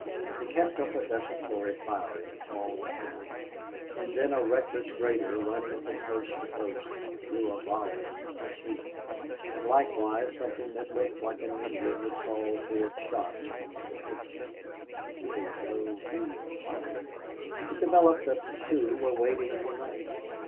They kept up a desultory firing all afternoon. Now and then a reckless grader running from post to post drew a volley from the Sioux; and likewise something that looked like an Indian would call forth shots from the defenses. But there was no real fighting. It developed that the Sioux were waiting for night.